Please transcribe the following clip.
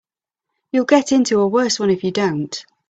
You'll get into a worse one if you don't.